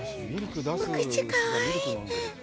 お口、かわいいね。